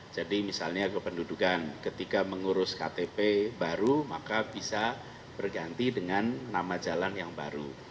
jadi misalnya kependudukan ketika mengurus ktp baru maka bisa berganti dengan nama jalan yang baru